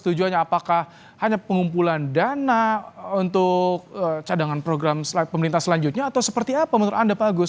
tujuannya apakah hanya pengumpulan dana untuk cadangan program pemerintah selanjutnya atau seperti apa menurut anda pak agus